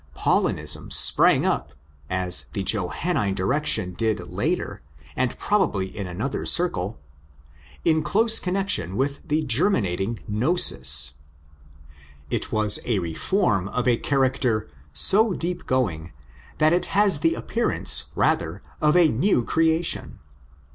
'* Paulinism'' sprang up—as_ the Johannine direction did later and probably in another circle—in close connexion with the germinating gnosis. It was a reform of a character so deep going that it has the appearance rather of a new creation.